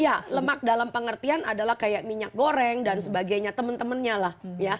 iya lemak dalam pengertian adalah kayak minyak goreng dan sebagainya teman temannya lah